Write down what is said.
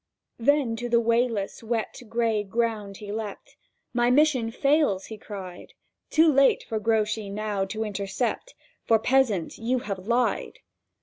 Then to the wayless wet gray ground he leapt; "My mission fails!" he cried; "Too late for Grouchy now to intercept, For, peasant, you have lied!"